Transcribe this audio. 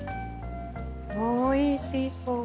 おいしそう。